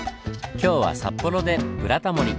今日は札幌で「ブラタモリ」。